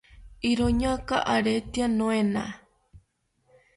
iroñaka aretya noena